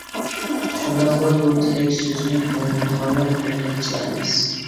شۇنداقلا بۇ تىلەك سۆزىنى قوللىنىدىغانلار بىر نەچچىلا ئەمەس.